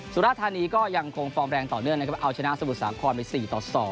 สุราธานีก็ยังคงฟอร์มแรงต่อเนื่องนะครับเอาชนะสมุทรสาครไป๔ต่อ๒